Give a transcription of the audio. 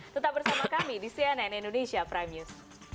tetap bersama kami di cnn indonesia prime news